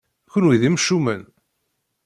Kenwi d imcumen!